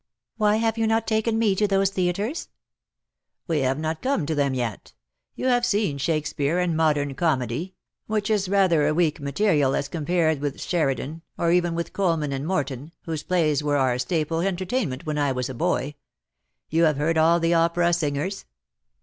'^" Why have you not taken ms to those theatres ?"" We have not come to them yet. You have seen Shakespeare and modern comedy — which is 186 IX SOCIETY. rather a weak material as compared with Sheridan — or even with Colman and Morton, whose plays were our staple entertainment when I was a boy. You have heard all the opera singers